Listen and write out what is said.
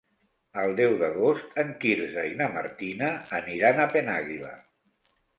El deu d'agost en Quirze i na Martina aniran a Penàguila.